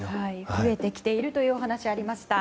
増えてきているというお話ありました。